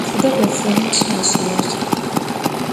Sıda bedzerım şaşerer?